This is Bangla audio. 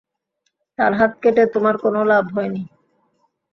তার হাত কেটে তোমার কোন লাভ হয়নি।